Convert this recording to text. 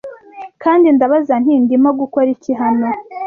Kandi ndabaza nti "Ndimo gukora iki hano?".